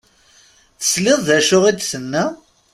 Tesliḍ d acu i d-tenna?